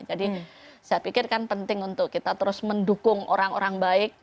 jadi saya pikir kan penting untuk kita terus mendukung orang orang baik